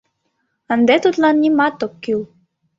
Ынде тудлан нимат ок кӱл.